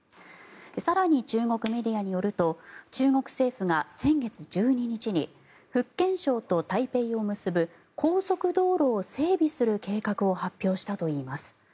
更に中国メディアによると中国政府が先月１２日に福建省と台北を結ぶ高速道路を整備する計画を発表したといいます。